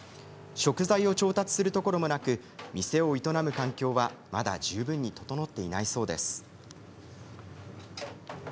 食材を調達するところもなく店を営む環境はまだ十分に整っていないそうです。